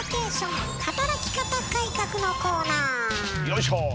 よいしょ。